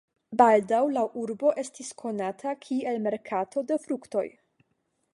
Baldaŭ la urbo estis konata kiel merkato de fruktoj.